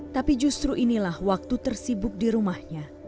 tapi justru inilah waktu tersibuk di rumahnya